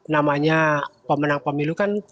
namanya pemenang pemilu kan